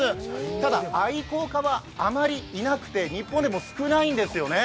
ただ愛好家はあまりいなくて日本でも少ないんですよね。